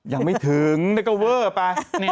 ยังไม่ถึงนี่ก็เวอร์ป่ะ